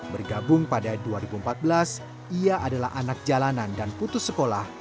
bergabung pada dua ribu empat belas ia adalah anak jalanan dan putus sekolah